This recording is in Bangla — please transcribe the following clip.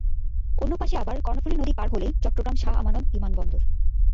অন্য পাশে আবার কর্ণফুলী নদী পার হলেই চট্টগ্রাম শাহ আমানত বিমানবন্দর।